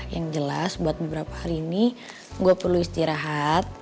yang jelas buat beberapa hari ini gue perlu istirahat